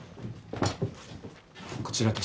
こちらです。